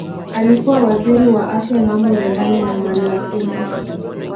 Alikuwa Waziri wa Afya Mambo ya Ndani na Maliasili